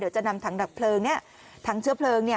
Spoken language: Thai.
เดี๋ยวจะนำทางดับเผลิงทางเชื้อเผลิง